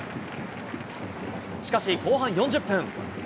しかし、後半４０分。